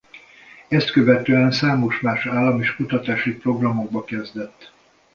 Ezt követően számos más állam is kutatási programokba kezdett.